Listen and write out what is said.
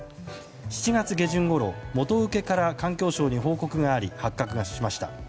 ７月下旬ごろ元請けから環境省に報告があり発覚しました。